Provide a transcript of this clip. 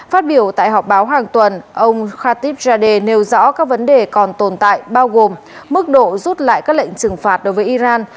phát biểu tại họp báo hàng tuần ông khativ jade nêu rõ các vấn đề còn tồn tại bao gồm mức độ rút lại các lệnh trừng phạt đối với iran